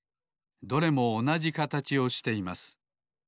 どれもおなじかたちをしています。